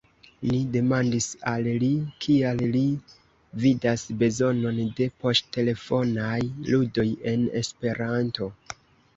Ni demandis al li, kial li vidas bezonon de poŝtelefonaj ludoj en Esperanto.